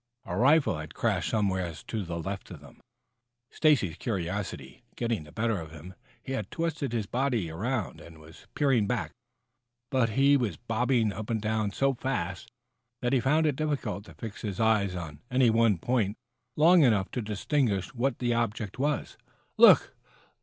A rifle had crashed somewhere to the left of them. Stacy's curiosity getting the better of him, he had twisted his body around, and was peering back; but he was bobbing up and down so fast that he found it difficult to fix his eyes on any one point long enough to distinguish what that object was. "Look!